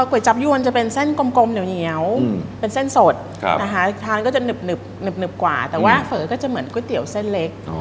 ๋วจับยวนจะเป็นเส้นกลมเหนียวเป็นเส้นสดนะคะทานก็จะหนึบกว่าแต่ว่าเฝอก็จะเหมือนก๋วยเตี๋ยวเส้นเล็ก